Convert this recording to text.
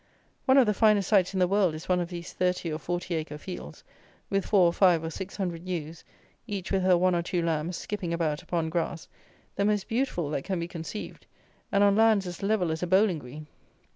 One of the finest sights in the world is one of these thirty or forty acre fields, with four or five or six hundred ewes, each with her one or two lambs skipping about upon grass, the most beautiful that can be conceived, and on lands as level as a bowling green.